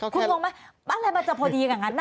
คุณคุณมั้ยอะไรมันจะพอดีอย่างนั้นนะ